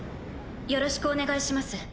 よろしくお願いします